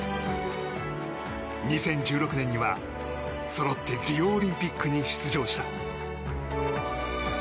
２０１６年には、そろってリオオリンピックに出場した。